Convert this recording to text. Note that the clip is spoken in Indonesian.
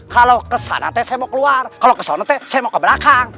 kalau kesana saya mau keluar kalau kesana saya mau ke belakang